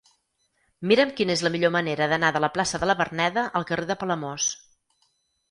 Mira'm quina és la millor manera d'anar de la plaça de la Verneda al carrer de Palamós.